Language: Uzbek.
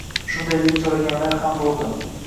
shunday deb so‘raganlar ham bo‘ldi.